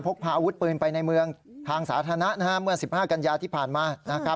พาอาวุธปืนไปในเมืองทางสาธารณะเมื่อ๑๕กันยาที่ผ่านมา